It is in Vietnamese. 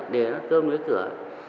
để bát cơm đối với cửa